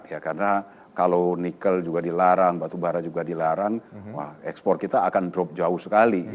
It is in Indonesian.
karena kalau nikel juga dilarang batubara juga dilarang ekspor kita akan drop jauh sekali